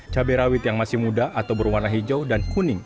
cabai rawit yang masih muda atau berwarna hijau dan kuning